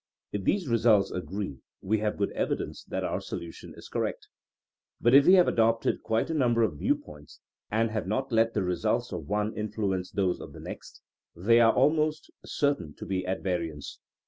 If these results agree we have good evidence that our solution is correct. But if we have adopted quite a number of view points, and have not let the results of one in fluence those of the next, they are almost certain to be at variance.